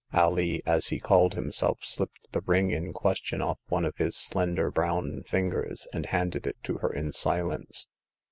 Alee, as he called himself, slipped the ring in question off one of his slender brown fingers, and handed it to her in silence.